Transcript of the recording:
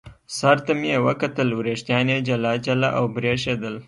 سر ته مې یې وکتل، وریښتان یې جلا جلا او برېښېدل.